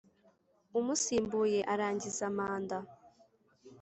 Umusimbuye arangiza manda